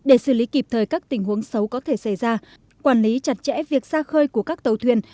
để xử lý kịp thời các tình huống xấu có thể xảy ra quản lý chặt chẽ việc xa khơi của các tàu thuyền